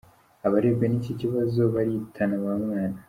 Abarebwa n’iki kibazo baritana ba mwana.